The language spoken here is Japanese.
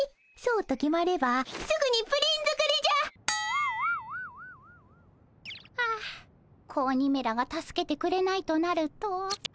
そうと決まればすぐにプリン作りじゃ！はあ子鬼めらが助けてくれないとなると。